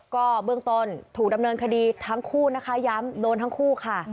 ก็เบื้องต้นถูกดำเนินคดีทั้งคู่นะคะย้ำโดนทั้งคู่ค่ะ